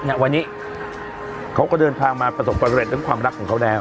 เนี่ยวันนี้เขาก็เดินทางมาประสบความเร็จเรื่องความรักของเขาแล้ว